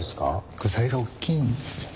具材が大きいんですよね。